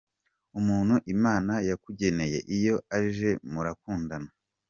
Umuntu Imana yakugeneye iyo aje murakundana.